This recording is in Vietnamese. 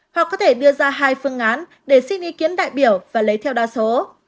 họ có thể đưa ra hai phương án để xin ý kiến đại biểu và lấy theo đa số